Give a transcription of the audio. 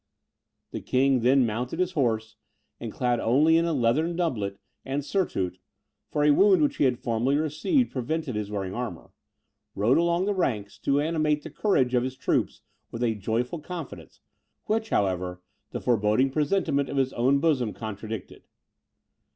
The king then mounted his horse, and clad only in a leathern doublet and surtout, (for a wound he had formerly received prevented his wearing armour,) rode along the ranks, to animate the courage of his troops with a joyful confidence, which, however, the forboding presentiment of his own bosom contradicted.